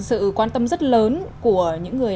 sự quan tâm rất lớn của những người